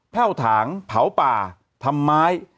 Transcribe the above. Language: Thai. วถางเผาป่าทำไม